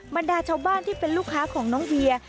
บรรดาชาวบ้านที่เป็นลูกค้าของน้องเวีย